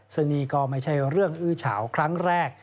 ซึ่งนี่ก็ไม่ใช่เรื่องอื้อเฉาครั้งแรก